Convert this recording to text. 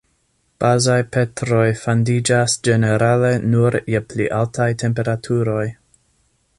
Bazaj petroj fandiĝas ĝenerale nur je pli altaj temperaturoj.